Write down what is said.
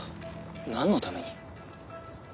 なんのために？